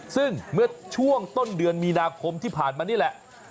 ซึ่งเมื่อช่วงต้นเดือนมีนาคมที่ผ่านมานี่แหละ